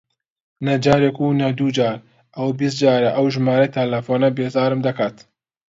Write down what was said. نە جارێک و نە دوو جار، ئەوە بیست جارە ئەو ژمارە تەلەفۆنە بێزارم دەکات.